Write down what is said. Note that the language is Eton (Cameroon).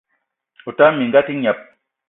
O tala minga a te gneb!